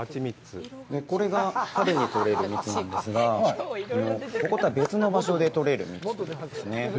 これが春に取れる蜜なんですが、こことは別の場所で取れる蜜なんです。